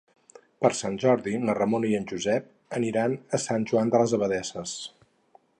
Per Sant Jordi na Ramona i en Josep aniran a Sant Joan de les Abadesses.